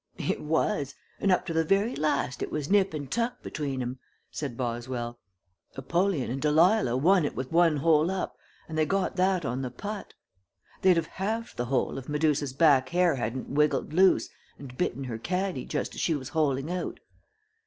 "It was, and up to the very last it was nip and tuck between 'em," said Boswell. "Apollyon and Delilah won it with one hole up, and they got that on the put. They'd have halved the hole if Medusa's back hair hadn't wiggled loose and bitten her caddie just as she was holeing out."